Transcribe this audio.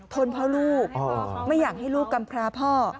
พ่อลูกไม่อยากให้ลูกกำพราพ่อ